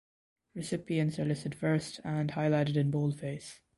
Recipients are listed first and highlighted in boldface.